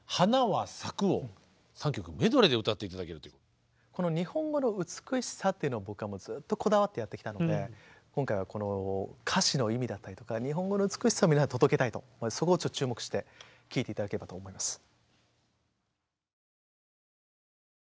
今日はこの日本語の美しさっていうのを僕はずっとこだわってやってきたので今回は歌詞の意味だったりとか日本語の美しさを皆さんに届けたいとそこを注目して聴いて頂ければと思います。